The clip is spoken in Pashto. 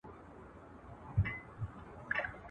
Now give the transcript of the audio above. که شاعر شعر ووایي نو ذوق نه مري.